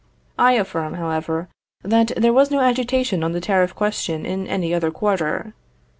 I affirm, however, that there was no agitation on the tariff question in any other quarter.